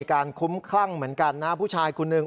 การคุ้มคลั่งเหมือนกันนะฮะผู้ชายคนหนึ่ง